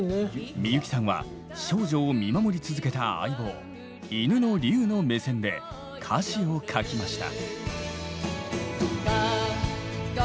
みゆきさんは少女を見守り続けた相棒犬のリュウの目線で歌詞を書きました。